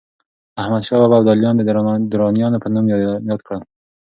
احمدشاه بابا ابداليان د درانیانو په نوم ياد کړل.